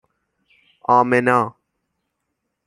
آمنا